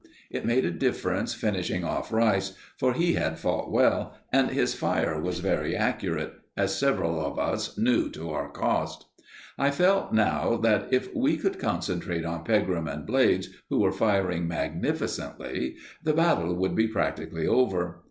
It made a difference finishing off Rice, for he had fought well, and his fire was very accurate, as several of us knew to our cost. I felt now that if we could concentrate on Pegram and Blades, who were firing magnificently, the battle would be practically over.